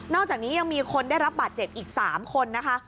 อกจากนี้ยังมีคนได้รับบาดเจ็บอีก๓คนนะคะ